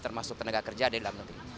termasuk tenaga kerja di dalam negeri